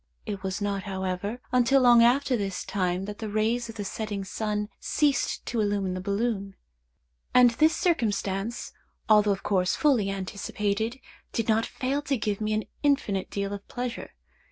It was not, however, until long after this time that the rays of the setting sun ceased to illumine the balloon; and this circumstance, although of course fully anticipated, did not fail to give me an infinite deal of pleasure.